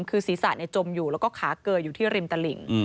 คือศีรษะจมอยู่แล้วก็ขาเกออยู่ที่ริมตลิ่ง